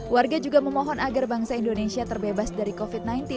warga juga memohon agar bangsa indonesia terbebas dari covid sembilan belas